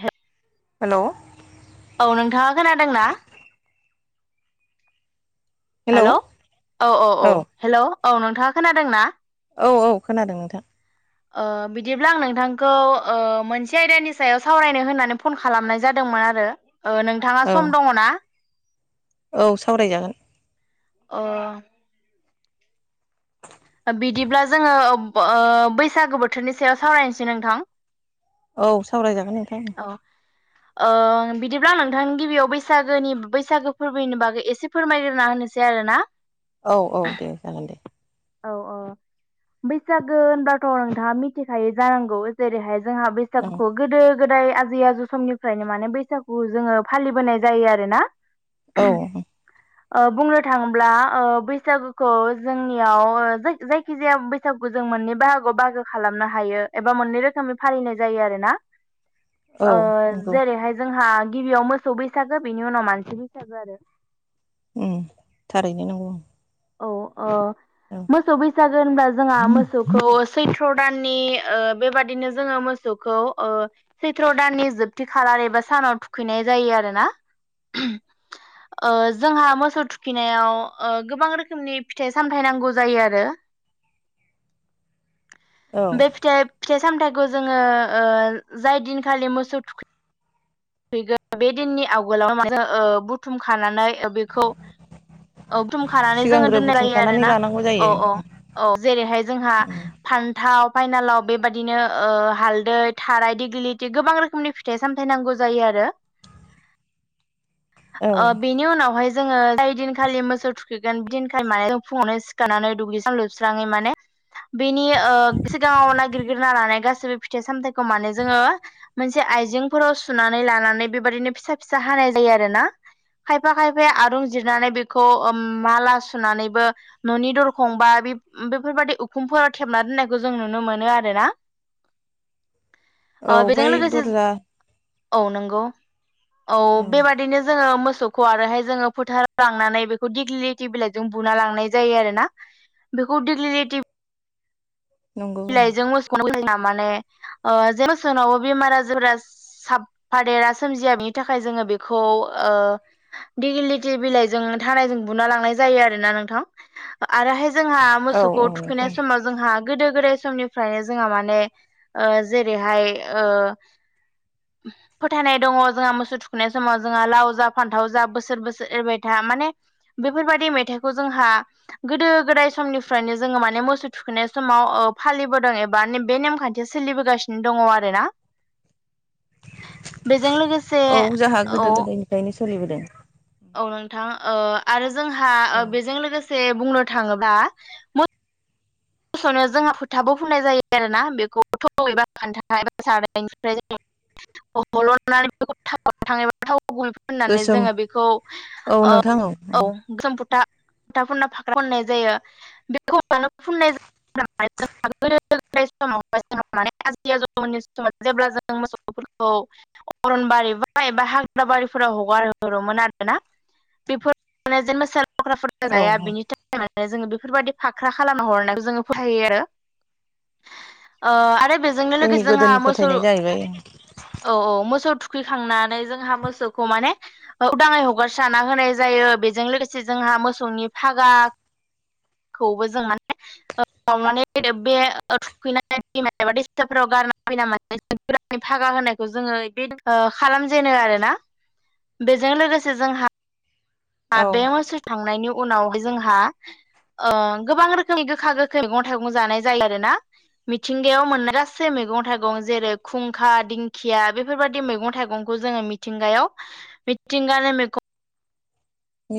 हे hello औ नोंथाङा खोनादोंना? हेलौ औ औ औ हेल' औ नोंथाङा खोनादोंना? औ औ खोनादों नोंथां बिदिब्ला आं नोंथांखौ मोनसे आयदानि सायाव सावरायनो होननानै फन खालामनाय जादों दंमोन आरो नोंथाङा औ सम दङना? औ सावरायजागोन अ बिदिब्ला जोङो बैसागो बोथोरनि सायाव सावरायनोसै नोंथां औ सावरायजागोन नोंथां औ ओ बिदिब्ला आं नोंथांनि गिबियाव बैसागोनि बैसागो फोरबोनि बागै एसे फोरमायग्रोना होनोसै आरोना औ औ दे जागोन दे औ औ बैसागो होनबाथ' नोंथाङा मिथिखायो जानांगौ जेरैहाय जोंहा औ बैसागुखौ गोदो गोदाय आजै आजौ समनिफ्रायनो माने बैसागु जोङो फालिबोनाय जायो आरोना औ बुंनो थाङोब्ला बैसागुखौ जोंनि जायखिजाया बैसागु जों मोननै बाहागोआव बाहागो खालामनो हायो एबा मोननै रोखोमनि फालि नाय जायो आरोना औ नंगौ जेरैहाय जोंहा गिबियाव मोसौ बैसागो बिनि उनाव मानसि बैसागो आरो उ थारैनो नंगौ औ अ औ मोसौ बै गो होनबा जोंहा मोसौखौ सैथ्र' दाननि बेबादिनो जोङो मोसौखौ सैथ्र' दाननि जोबथि खालार एबा सानाव थुखैनाय जायो आरो ना जोंहा मोसौ थुखिनायाव गोबां रोखोम रोखोमनि फिथाइ सामथाइ नांगौ जायो आरो औ बे फिथाइ फिथाइ सामथाइखौ जोङो जाय दिनखालि मोसौ थुखै गोन बे दिननि आवगोलावनो माने बुथुम खानानै बेखौ औ थुमखानानै जोङो सिगांग्रो दोननाय जायो बुथुमखानानै आरोना लानांगौ औ जायो औ औ जेरैहाय जोंहा फानथाव फाइनालाव बेबदिनो हालदै थाराय दिग्लिथि गोबां रोखोमनि फिथाइ सामथाय नांगौ जायो आरो औ ओ बेनि उनावहाय जोङो जाय दिनखालि मोसौ थुखैगोन बिदिनखालि माने जों फुङावनो सिखारनानै दुगैस्रां लोबस्राङै माने बेनि ओ सिगाङाव नागिरगिरना लानाय गाैबो फिथाइ सामथायाइखौ माने जोङो मोनसे से आइजेंफोराव सुनानै लानानै बेबाददिनो फिसा फिसा हानाय जायो आरो ना खायफा खायफाया आरुं जिरनानै बेखौ माला सुनानैबो न'नि दरखं बा बे बेफोरबायदि उखुमफोराव थेबना दोननायखौ जों नुनो मोनो आरोना ओ औ बेजों बै लोगोसे दरजा औ नंगौ औ बेबादिनो जोङो मो सौखौ आरोहाय जोङो फोथाराव लांनानै बेखौ दिग्लिटि बिलाइ जों बुना लांनाय जायो आरोना बेखौ दिगलिति नंगौ बिलाइजों मोसौ जोंहा माने जेसनावबो बेमार आजारा साफादेरा सोमजिया बिनि थाखाय जोङो बेखौ ओ दिगिलिटि बिलाइजों थारायजों बुना लांनाय जायो आरोना नोंथां आरोहाय जोंहा औ मोसौखौ औ थुखैनाय नोंथां समाव जोंहा गोदो गोदाय समनिफ्रायनो जोंहा माने ओ जेरैहाय ओ फोथायनाय दङ जोंहा मोसौ थुखुनाय समाव जोंहा लाव जा फान्थाव जा बोसोर बोसोर एरबाय था माने बेफोरबायदि मेथाइखौ जोंहा गोदो गोदाय समनिफ्रायनो जोङो माने मोसौ थुखैनाय समाव ओ फालिबोदों एबा बे नेमखान्थिया सोलिबोगासिनो दङ आरोना बेजों लोगोसे औ जोंहा गोदो औ गोदायनिफ्रायनो सोलिबोदों औ नोंथां ओ आरो जोंहा औ बेजों लोगोसे बुंनो थाङोब्ला मो सौनो जोंहा फोथाबो बुंनाय जायो आरोना बेखौ थ' एबा खान्था एबा सारायनिफ्राय जोङो हलनानै बेखौ थावगोथां एबा थाव गय फोननानै गोसोम जोङो बेखौ औ ओ नोंथां औ जोमफुथा गुथा फना फाख्रा फननाय जायो बेखौ फुनाय जायो [unintelligible] माने आजै आजौमोनि समाव जेब्ला जों मोसौफोरखौ अरनबारि बा एबा हाग्राबारिफोराव हगारहरोमोन आरोना बेफोर [unintelligible] फख्रा औ जाया बिनि थाखाय माने जोङो बेफोरबायाददि फाख्रा खालामना हरनाय जोङो फथायो आरो ओ आरो बेजोंनो जोंनि लोगोसे जोंहा गोदोनि मोसौ फोथायनाय जाहैबाय औ औ मोसौ थु खैखांनानै जोंहा मोसौखौ माने उदाङै हगारसा होनाय जायो बेजों लोगोसे जोंहा मोसौनि फागा खौबो जों माने ओ माने [unintelligible] बे थुखैनायमा दैम एबा दैसाफोराव गानहोयो [unintelligible] फागा होनायखौ जोङो बे खालामजेनो आरोना बेजों लोगोसे जोंहा औ बे मासो थांनायनि उनावहाय जोंहा गोबां रोखोमनि गोखा गोखै मैगं थाइगं जानाय जायो आरोना मिथिंगायाव मोननाय गासै मैगं थाइगं जेरै खुंखा दिंखिया बेफोरबायदि मैगं थाइगंखौ जोङो मिथिंगायाव मिथिंगानि मेगं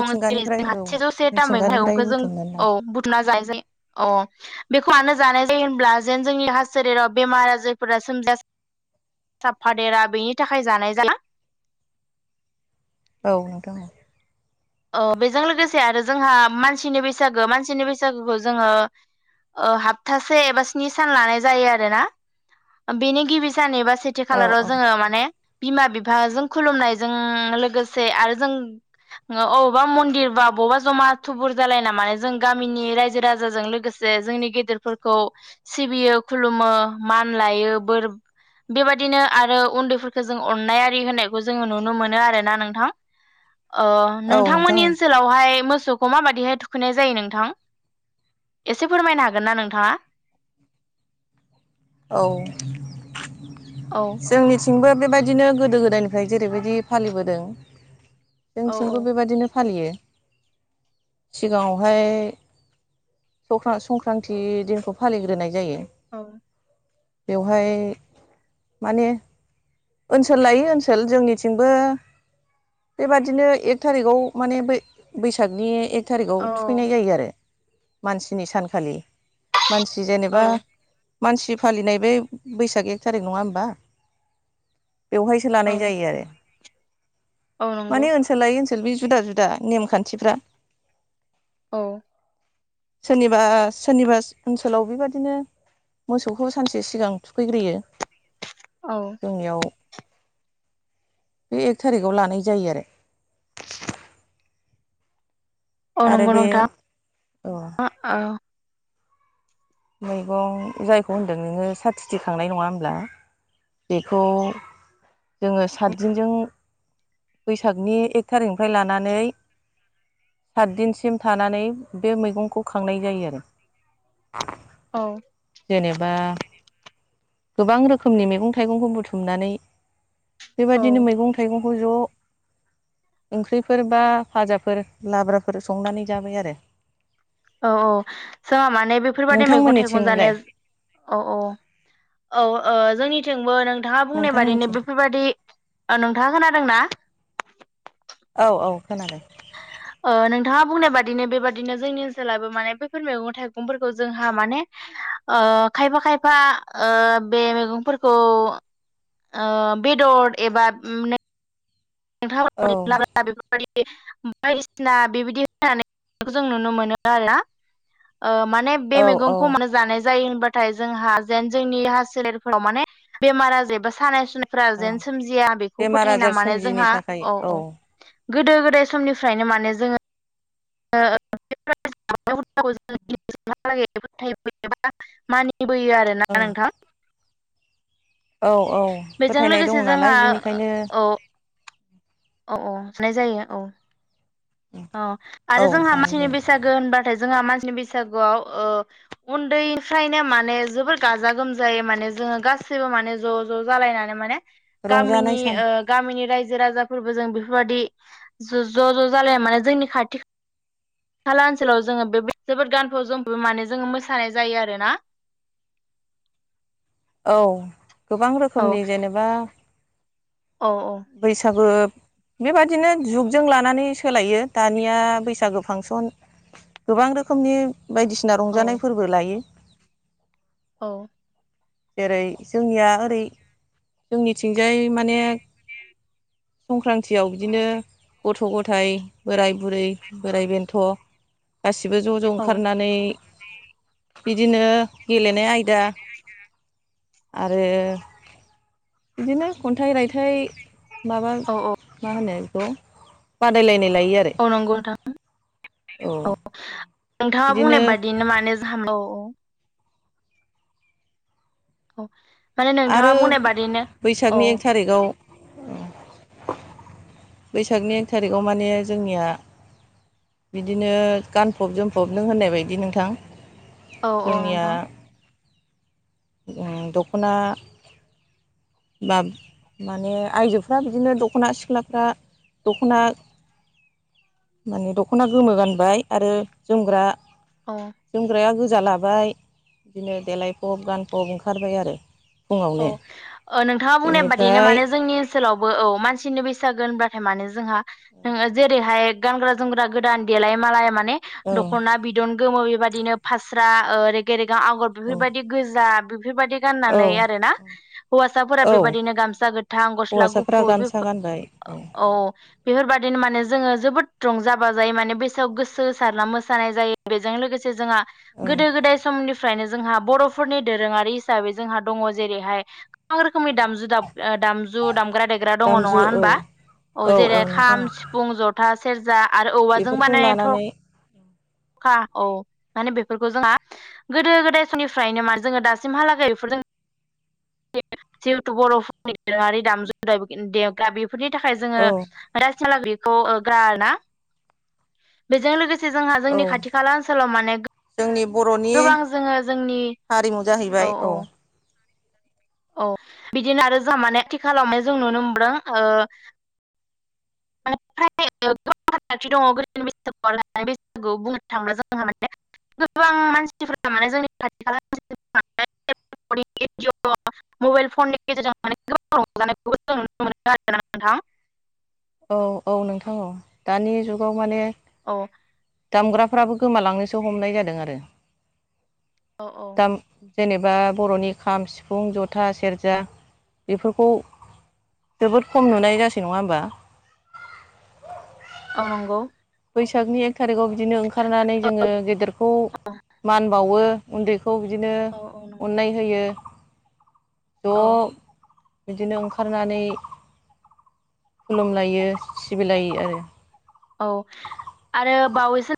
दङ जेरै जोंहा औ सेजौ सेथा मैगं मिथिंगानिफ्राय थाइगंखौ जों बुथुमनानै ला औ बुथुना जाजायो अ बेखौ मानो जानाय जायो होनब्ला जेन जोंनि देहा सेलेराव बेमार आजारफोरा सोमजिया साबफादेरा बेनि थाखाय जानाय जा औ नोंथां औ बेजों लोगोसे आरो जोंहा मानसिनि बैसागो मानसिनि बैसागोखौ जोङो ओ हाबथासे एबा स्नि सान लानाय जायो आरोना बेनि गिबि सान एबा सेथि औ खाालाराव औ जोङो माने बिमा बिफाजों खुलुमनायजों लोगोसे आरो जों अबावबा मन्दिर बा बबावबा जमा थुबुर जालायना माने जों गामिनि रायजो राजाजों लोगोसे जोंनि गेदेरफोरखौ सिबियो खुलुमो मान लायो बोर बेबायदिनो आरो उनदैफोरखौ जों अननाय आरि होननायखौ जोङो नुनो मोनो आरोना नोंथां ओ औ नोंथां नोंथांमोननि ओनसोलावहाय मो सौखौ माबायदिहाय थुखैनाय जायो नोंथां एसे फोरमायनो हागोन ना नोंथाङा? [inaudible] औ औ जोंनिथिंबो बेबायदि बादिनो गोदो गोदायनिफ्राय जेरैबायदि फालिबोदों औ औ जोंथिंबो बेबायदिनो फालियो सिगाङावहाय स्रं संक्रान्ति दिनखौ फालिग्रोनाय जायो औ बेवहाय माने ओनसोल लायै ओनसोल जोंनिथिंबो बेबादिनो एक थारिखाव माने बैसागनि एक थारिखआव औ थुखैनाय जायो आरो मानसिनि सानखालि मानसि जेनेबा औ मानसि फालिनाय बे बैसाग एक थारिख नङा होमबा बेवहायसो औ लानाय जायो आरो औ नंगौ माने ओनसोल लायै ओनसोल बे जुदा जुदा नेमखानथिफ्रा औ सोरनिबा सोरनिबा ओनसोलाव बेबादिनो मोसौखौ सानसे सिगां थुखैग्रोयो औ जोंनियाव बे एक थारिखाव लानाय जायो आरो औ आरो नंगौ बे नोंथां औ औ मैगं जायखौ होनदों नोङो साथिथि खांनाय नङा होमब्ला बेखौ जोङो सातदिनजों बैसागनि एक थारिखनिफ्राय लानानै सातदिनसिम थानानै बे मैगंखौ खांनाय जायो आरो औ जेनेबा गोबां रोखोमनि मैगं थाइगंखौ बुथुमनानै बेबादिनो औ मैगं थाइगं खौ ज' ओंख्रिफोर बा फाजाफोर लाब्राफोर संनानै जाबाय आरो औ औ जोंहा माने बेफोरबादि मैगं थाइगं नोंथांमोननिथिंलाय जानाया औ औ औ जोंनिथिंबो नोंथाङा बुंनाय बादिनो नोंथांमोनथिं बेफोरबादि नोंथाङा खोनादोंना? औ औ खोनादों नोंथाङा बुंनाय बादिनो बेबादिनो जोंनि ओनसोलाबो माने बैफोर मैगं थाइगंफोरखौ जोंहा माने खायफा खायफा बे मैगंफोरखौ बेदर एबा नोंथाङा औ [unintelligible] बायदिसिना बेबायदि जानायखौ जों नुनो मोनो आरोना अ माने बे औ औ मैगंखौ मानो जानाय जायो होनबाथाय जोंहा जेन जोंनि हा सोलेरफोराव माने बेमार आजार एबा सानाय फोरा औ जेन सोमजिया बेखौ बेमार फोथायना आजार माने सोमजियिनि जोंहा थाखाय औ औ गोदो गोदाय समनिफ्रायनो माने जोङो [unintelligible] नायबोयो आरो ना औ नोंथां। औ औ बेजों फोथायनाय दङ लोगोसे जोंहा नालाय। बेनिखायनो औ औ औ मोननाय जायो। औ औ आरो औ जोंहा जानाय मानसिनि जायो बैसागो होनबाथाय जोंहा मानसि नि बैसागुआव उन्दैनिफ्रायनो माने जोबोर गाजा गोमजायै माने जोङो गासैबो गासैबो माने ज' ज' जालायनानै माने रंजानाय गामिनि सान ओ गामिनि रायजो राजा फोरबो जों बेफोरबायदि ज' ज' जालाया माने जोंनि खाथि खाला ओनसोलाव जोङो बे जोबोद गानफाव जोमफब माने जोङो मोसानाय जायो आरोना। [inaudible] औ गोबां औ रोखोमनि जेनेबा औ औ बैसागु बेबादिनो जुगजों लानानै सोलायो दानिया बैसागो फांसन गोबां रोखोमनि बायदिसिना औ रंजानाय फोरबो लायो। औ जेरै जोंनिया ओरै जोंनिथिंजाय माने संक्रान्तियाव बिदिनो गथ' गथाइ बोराय बुरै बोराइ बेन्थ' गासैबो गसिबो ज' ज' औ ओंखारनानै बिदिनो गेलेनाय आयदा [inaudible] आरो बिदिनो खन्थाइ रायथाइ माबा औ औ मा होनो? बादायलायनाय लायो आरो औ नंगौ नोंथां औ नोंथाङा बिदिनो बुंनाय बादिनो मानो जोहा औ औ औ माने नोंथाङा आरो बुंनाय बादिनो बैसागनि औ एक थारिखआव [inaudible] बैसागनि एक थारिखआव माने जोंनिया बिदिनो गानफब जोमफब नों होननाय बायदि नोंथां औ औ जोंनिया नोंथां दख'ना बा माने आइजोफ्रा बिदिनो दख'ना सिख्लाफ्रा दख'ना माने दख'ना गोमो गानबाय आरो जोमग्रा औ जोमग्राया गोजा लाबाय बिदिनो देलायफब गान फब ओंखारबाय आरो औ नोंथाङा बुंनाय बादिनो बेनिफ्राय माने जोंनि ओनसोलावबो औ मानसिनो बेसे बैसागो होनबाथाय माने जोंहा जेरैहाय गानग्रा जोमग्रा गोदान देलाय मालाय मान औ दखना बिदन गोमो बेबायदिनो फास्रा रेगे रेे आगर औ बेफोरबायदि गोजा बेफोरबायदि औ गाननानै आरोना हौवासाफोरा औ बेबायदिनो गामसा गोथां गस्ला हौवासाफ्रा गुफुर गामसा बेफोर गानबाय औ बेफोरबादिनो माने जोङो जोबोद रंजा बाजायै माने बैसागोआव गोसो होसारना मोसानाय जायो। बेजों लोगोसे जोंहा औ गोदो गोदाय समनिफ्रायनो जोंहा बर'फोरनि दोरोङारि हिसाबै जोंहा दङ जेरैहाय गोबां रोखोमनि दामजु दामजु दामग्रा देग्रा दङ नङा दामजु औ होनबा? औ जेरै खाम सिफुं जथा सेरजा आरो औवाजों बेफोरखौ बानायनाय थ' लानानै खा औ माने बेफोरखौ जोंहा गोदो गोदाय समनिफ्रायनो माने जोङो दासिमहालागै बेफोरजों जिहेथु बर'फोरनि दोरोङारि दामजु देग्रा बेफोरनि थाखाय जोङो औ आथिखालाव बेखौ गारा आरो ना बेजों लोगोसे जोंहा औ जोंनि खाथि खाला ओनसोलाव माने जोंनि बर'नि गोबां जोङो जोंनि हारिमु जाहैबाय औ औ बिदिनो आरो जों माने आथिखालाव माने जों नुनो मोनदों [unintelligible] थि दङ गोदोनि बैसागु आरो दानि बैसागु बुंनो थाङोब्ला जोंहा माने गोबां मानसिफ्रा माने जोंनि खाथि खाला मानसिफ्रा [inaudible] अ' मबाइल फननि गेजेरजों माने गोबां रंजानायखौ जों नुनो मोनो आरोना नोंथां [inaudible] औ औ नोंथां औ दानि जुगाव माने औ दामग्रा फोराबो गोमालांनोसो हमनाय जादों आरो। औ दाम जेनेबा बर'नि खाम सिफुं जथा सेरजा बेफोरखौ जोबोद खम नुनाय जासै नङा होमबा औ नंगौ बैसागनि एक थारिखाव बिदिनो ओंखारनानै औ जोङो औ गेदेरखौ मान बावो उन्दै खौ बिदिनो नंगौ अननाय होयो ज' औ बिदिनो ओंखारनानै खुलुमलायो सिबिलायो आरो औ आरो बावैसो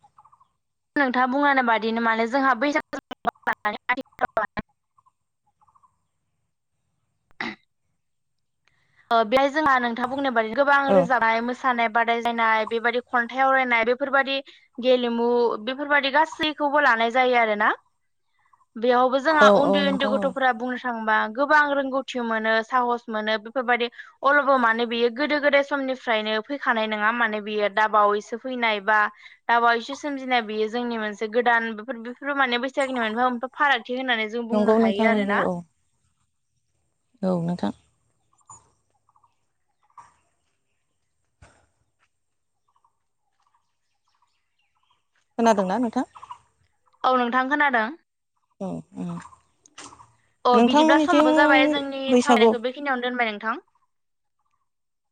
नोंथाङा बुंनानै बादिनो मानोे जोंहा बैसागुखौ लानानै [inaudible] ओ [inaudible] बेहाय जोंहा नोंथां बुंनाय बायदि गोबां औ रोजाबानाय मो मोसानाय बादाय जायनाय बेबायदि खन्थाइ आवरायनाय बेफोर बायदि गेलेमु बेफोर बायदि गासैखौ खौबो लानाय जायो आरोना बेयावबो जोंहा औ औ उन्दै उन्दै नोंथां औ गथ'फोरा बुंनो थाङोबा गोबां रोंगौथि मोनो साहस मोनो बेफोर बायदि अलबो माने बियो गोदो गोदाय समनिफ्रायनो फैखानाय नङा माने बियो दा बावैसो फै नाय बा दबावैसो सोमजिनाय बियो जोंनि मोनसे गोदान बेफोर बेफोर माने बैसागुनि मोनफा मोनफा फाग थि होननानै जों नंगौ बुंनो नोंथां हायो आरो नंगौ ना औ औ नोंथां खोनादों ना नोंथां? औ नोंथां खोनादों औ औ अ बिदिब्ला समाबो जाबाय जोंनि बैसागु सावरायनायखौ बेखिनियावनो दोनबाय नों थां